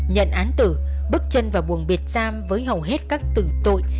nhận án tử bước chân vào buồng biệt giam với hầu hết các tử tội